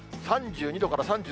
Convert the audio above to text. ３２度から３３度。